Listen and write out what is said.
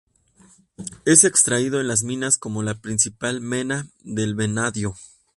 Es extraído en las minas como la principal mena del vanadio.